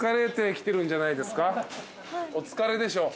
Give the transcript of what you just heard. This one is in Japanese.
お疲れでしょ？